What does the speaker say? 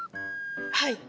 はい！